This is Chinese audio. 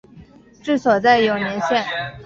治所在永年县。